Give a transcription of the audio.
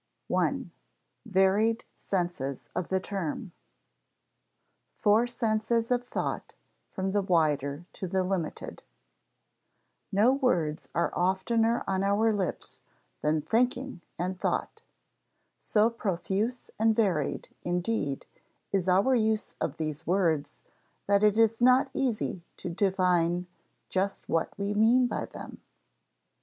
§ 1. Varied Senses of the Term [Sidenote: Four senses of thought, from the wider to the limited] No words are oftener on our lips than thinking and thought. So profuse and varied, indeed, is our use of these words that it is not easy to define just what we mean by them.